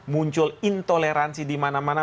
muncul intoleransi di mana mana